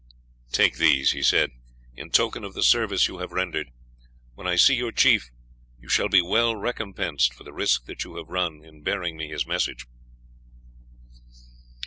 "Take these," he said, "in token of the service you have rendered. When I see your chief, you shall be well recompensed for the risk that you have run in bearing me his message."